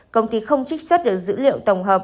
công ty không trích xuất được dữ liệu tổng hợp